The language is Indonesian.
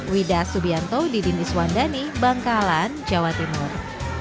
widah subianto di dinis wandani bangkalan jawa timur